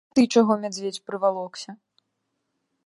А ты чаго, мядзведзь, прывалокся?